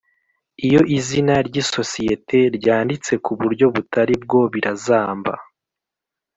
Iyo izina ry’isosiyete ryanditse ku buryo butari bwo birazamba